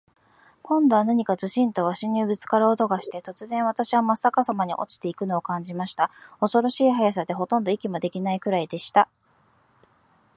今度は何かズシンと鷲にぶっつかる音がして、突然、私はまっ逆さまに落ちて行くのを感じました。恐ろしい速さで、ほとんど息もできないくらいでした。